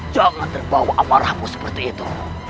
jangan terbawa amarahmu seperti itu